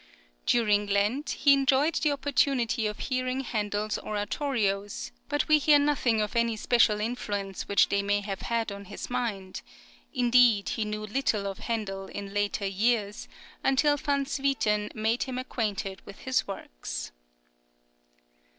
During Lent, he enjoyed the opportunity of hearing Handel's Oratorios, but we hear nothing of any special influence which they may have had on his mind; indeed, he knew little of Handel in later years, until Van Swieten made him acquainted with his works.